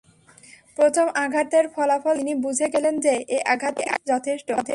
প্রথম আঘাতের ফলাফল দেখেই তিনি বুঝে গেলেন যে, এ আঘাতই যথেষ্ট।